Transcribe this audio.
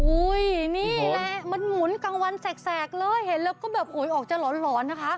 นี่แหละมันหมุนกลางวันแสกเลยเห็นแล้วก็แบบโอ้ยออกจะหลอนนะคะ